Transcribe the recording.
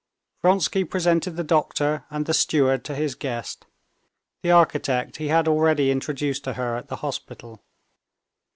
Vronsky presented the doctor and the steward to his guest. The architect he had already introduced to her at the hospital.